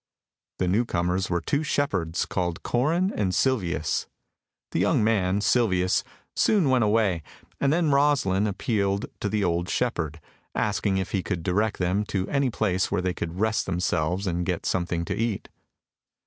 The newcomers were two shepherds called Corin and Silvius. The young man, Silvius, soon went away, and then Rosalind appealed to the old shepherd, asking if he could direct them to any place where they could rest themselves and get something to eat.